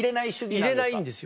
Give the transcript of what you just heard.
入れないんですよ